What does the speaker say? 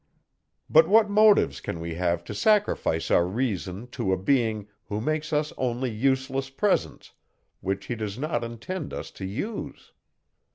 But what motives can we have to sacrifice our reason to a being, who makes us only useless presents, which he does not intend us to use?